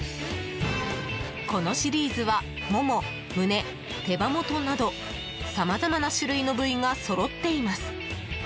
このシリーズは、もも、むね手羽元などさまざまな種類の部位がそろっています。